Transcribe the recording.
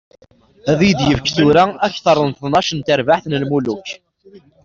Ad yi-d-yefk tura akteṛ n tnac n trebbaɛ n lmuluk.